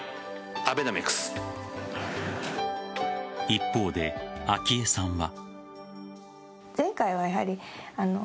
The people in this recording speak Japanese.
一方で昭恵さんは。